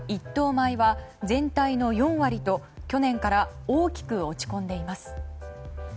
米は全体の４割と去年から大きく落ち込んでいます。